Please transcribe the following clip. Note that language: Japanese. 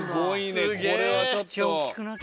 これはちょっと。